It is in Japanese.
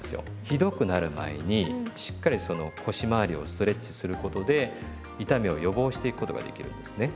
ひどくなる前にしっかりその腰まわりをストレッチすることで痛みを予防していくことができるんですね。